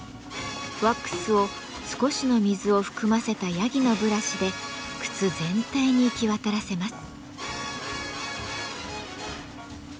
ワックスを少しの水を含ませたヤギのブラシで靴全体に行き渡らせます。